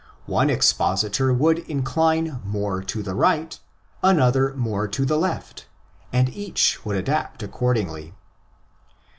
One expositor would incline more to the "right," another more to the '' left," and each would adapt accordingly.